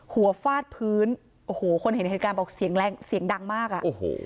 ฟาดพื้นโอ้โหคนเห็นเหตุการณ์บอกเสียงแรงเสียงดังมากอ่ะโอ้โห